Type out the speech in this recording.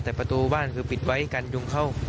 แต่ประตูบ้านคือปิดไว้การยุงเข้า